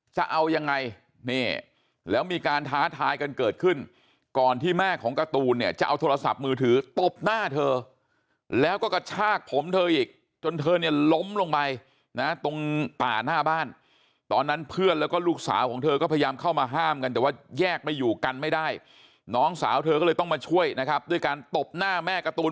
จะเอายังไงนี่แล้วมีการท้าทายกันเกิดขึ้นก่อนที่แม่ของการ์ตูนเนี่ยจะเอาโทรศัพท์มือถือตบหน้าเธอแล้วก็กระชากผมเธออีกจนเธอเนี่ยล้มลงไปนะตรงป่าหน้าบ้านตอนนั้นเพื่อนแล้วก็ลูกสาวของเธอก็พยายามเข้ามาห้ามกันแต่ว่าแยกไปอยู่กันไม่ได้น้องสาวเธอก็เลยต้องมาช่วยนะครับด้วยการตบหน้าแม่การ์ตูน